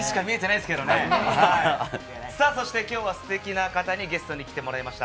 今日はステキな方にゲストに来てもらいました。